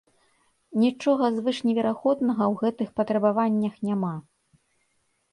Нічога звышневерагоднага ў гэтых патрабаваннях няма.